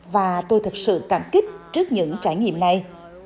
và tôi thật sự cảm kích trước những trải nghiệm này